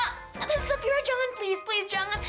ah tante safira jangan please please jangan